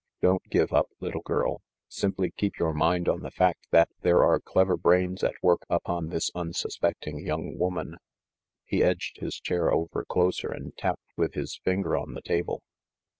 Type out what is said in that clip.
"Don't give up, little girl. Simply keep your mind on the fact that there are clever brains at work upon this unsuspecting young woman." He edged his chair over closer and tapped with his finger on the table.